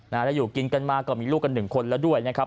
แล้วอยู่กินกันมาก็มีลูกกันหนึ่งคนแล้วด้วยนะครับ